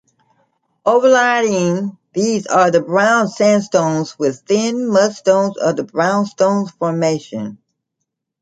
Overlying these are the brown sandstones with thin mudstones of the Brownstones Formation.